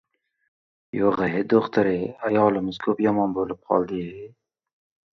Yuring-ye, do‘xtir-ye, ayolimiz ko‘p yomon bo‘p qoldi-ye!